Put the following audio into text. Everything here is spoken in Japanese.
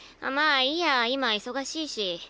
まあいいや今忙しいし。